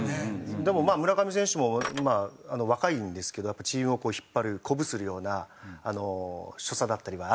でも村上選手も若いんですけどチームを引っ張る鼓舞するような所作だったりはあるじゃないですか。